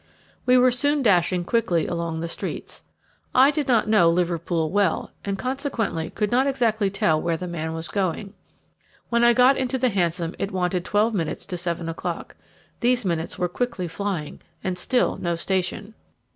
We were soon dashing quickly along the streets. I did not know Liverpool well, and consequently could not exactly tell where the man was going. When I got into the hansom it wanted twelve minutes to seven o'clock; these minutes were quickly flying, and still no station.